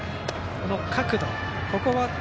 この角度。